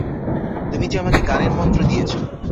তুমি যে আমাকে গানের মন্ত্র দিয়েছ।